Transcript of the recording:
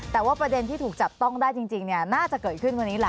แต่ว่าประเด็นที่ถูกจับต้องได้จริงน่าจะเกิดขึ้นวันนี้แหละ